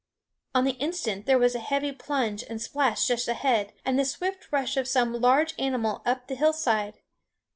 On the instant there was a heavy plunge and splash just ahead, and the swift rush of some large animal up the hillside.